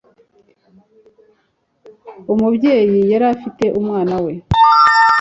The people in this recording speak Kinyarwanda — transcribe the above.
umubyeyi yari afitiye umwana we